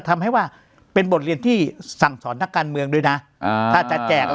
ทำให้ว่าเป็นบทเรียนที่สั่งสอนนักการเมืองด้วยนะอ่าถ้าจะแจก